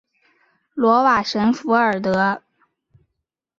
瓦罗什弗尔德。